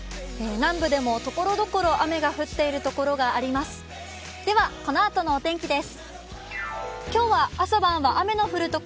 南部でもところどころ雨が降っている所があります。